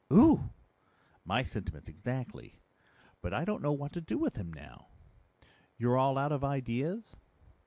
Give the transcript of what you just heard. "Ooh!" "My sentiments exactly. But I don't know what to do with him now." "You're all out of ideas?"